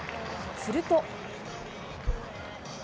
すると。